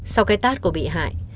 sau cái tát của bị hại